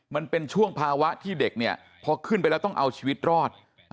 มันเป็นช่วงภาวะที่เด็กเนี่ยพอขึ้นไปแล้วต้องเอาชีวิตรอด